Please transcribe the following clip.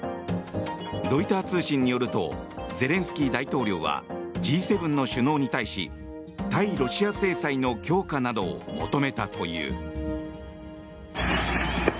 ロイター通信によるとゼレンスキー大統領はＧ７の首脳に対し対ロシア制裁の強化などを求めたという。